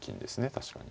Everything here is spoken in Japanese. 確かに。